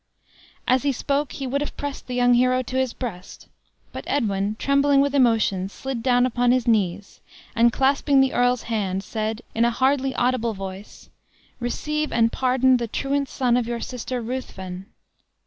As he spoke, he would have pressed the young hero to his breast; but Edwin, trembling with emotion, slid down upon his knees, and clasping the earl's hand, said, in a hardly audible voice, "Receive and pardon the truant son of your sister Ruthven!"